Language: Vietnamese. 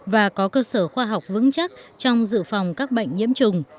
và có cơ sở khoa học vững chắc trong dự phòng các bệnh nhiễm trùng